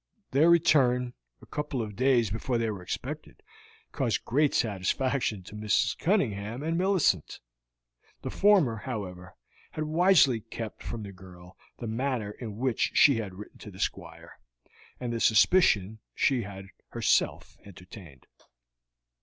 Their return, a couple of days before they were expected, caused great satisfaction to Mrs. Cunningham and Millicent. The former, however, had wisely kept from the girl the matter on which she had written to the Squire, and the suspicion she had herself entertained.